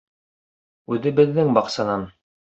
— Үҙебеҙҙең баҡсанан!